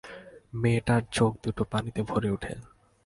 মেয়েটার চোখ দুটো পানিতে ভরে উঠে।